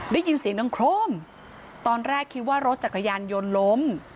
ได้ยินเสียงดังโครมตอนแรกคิดว่ารถจักรยานยนต์ล้ม